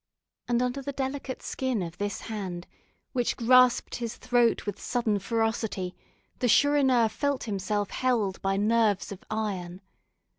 And under the delicate skin of this hand, which grasped his throat with sudden ferocity, the Chourineur felt himself held by nerves of iron.